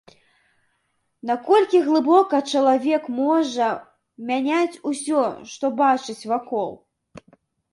Наколькі глыбока чалавек можа мяняць усё, што бачыць вакол?